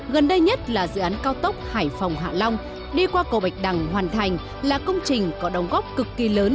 gần đây nhất là dự án cao tốc hải phòng hạ long đi qua cầu bạch đằng hoàn thành là công trình có đồng góp cực kỳ lớn